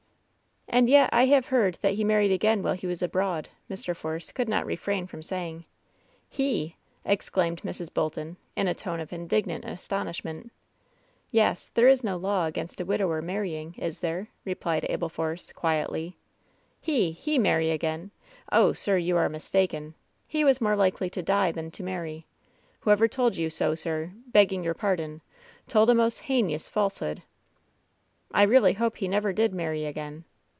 "And yet I have heard that he married again while he was abroad," Mr. Force could not refrain from say ing. "He !" exclaimed Mrs. Bolton, in a tone of indignant astonishment. "Yes ; there is no law against a widower marrying, is there ?" replied Abel Force, quietly. "He! he marry again! Oh, sir, you are mistaken! He was more likely to die than to marry ! Whoever told vou so, sir — ^begging your pardon — told a most haynious falsehood!" "I really hope he never did marry again."